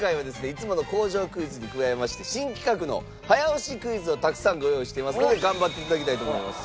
いつもの工場クイズに加えまして新企画の早押しクイズをたくさんご用意していますので頑張って頂きたいと思います。